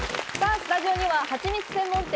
スタジオにははちみつ専門店